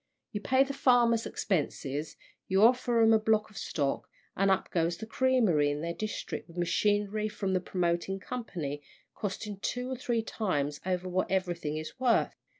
You pay the farmers' expenses, you offer 'em a block of stock, and up goes the creamery in their district with machinery from the promoting company, costing two or three times over what everything is worth.